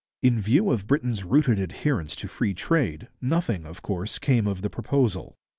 In view of Britain's rooted adherence to free trade, nothing, of course, came of the proposal.